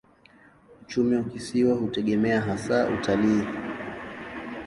Uchumi wa kisiwa hutegemea hasa utalii.